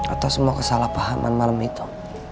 atas semua kesalahpahaman malam itu